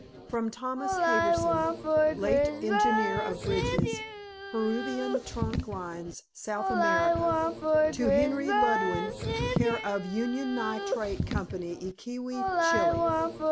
FROM THOMAS HARBISON, LATE ENGINEER OF BRIDGES, PERUVIAN TRUNK LINES, SOUTH AMERICA, TO HENRY LLEWELLYN, CARE OF UNION NITRATE COMPANY, IQUIQUE, CHILI.